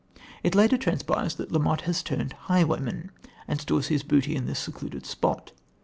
It later transpires that La Motte has turned highwayman and stores his booty in this secluded spot.